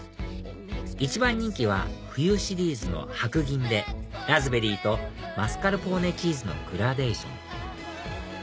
一番人気は冬シリーズの「白銀」でラズベリーとマスカルポーネチーズのグラデーション